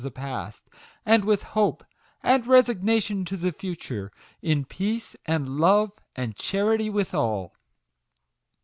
the past, and with hope and resignation to the future, in peace, and love, and charity with all